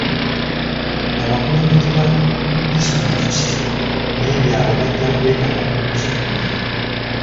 Abakulembeze ba disitulikiti n'ebyalo bajja kwetaba mu lukiiko luno.